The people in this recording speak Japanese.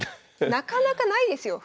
なかなかないですよ